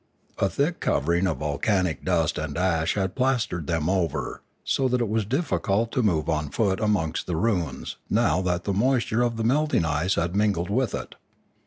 A thick covering of volcanic dust and ash had plastered them over, so that it was difficult to move on foot amongst the ruins now that the moisture of the melting ice had mingled with it.